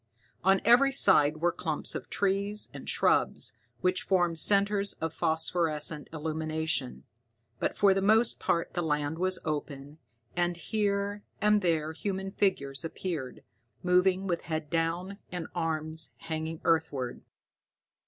On every side were clumps of trees and shrubs, which formed centers of phosphorescent illumination, but for the most part the land was open, and here and there human figures appeared, moving with head down and arms hanging earthward.